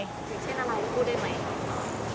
อย่างเช่นอะไรพูดได้ไหม